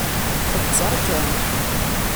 Xezzeṛ kan.